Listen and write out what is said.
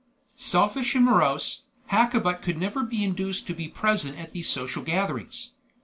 Selfish and morose, Hakkabut could never be induced to be present at these social gatherings.